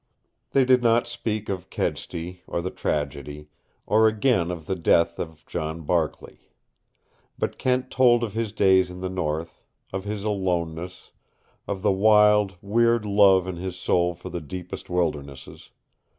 They did not speak of Kedsty, or the tragedy, or again of the death of John Barkley. But Kent told of his days in the North, of his aloneness, of the wild, weird love in his soul for the deepest wildernesses.